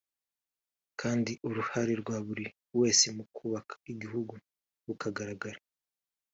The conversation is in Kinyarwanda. kandi uruhare rwa buri wese mu kubaka igihugu rukagaragara